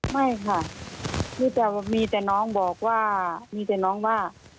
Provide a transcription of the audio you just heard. ไม่ค่ะมีแต่น้องบอกว่า